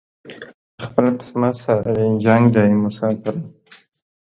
خپل قسمت سره دې جنګ دی مساپره